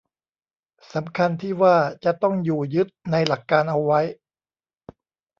สำคัญที่ว่าจะต้องอยู่ยึดในหลักการเอาไว้